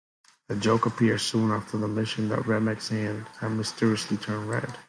A joke appeared soon after the mission that Remek's hand had mysteriously turned red.